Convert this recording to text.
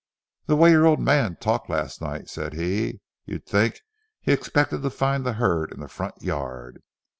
"The way your old man talked last night," said he, "you'd think he expected to find the herd in the front yard.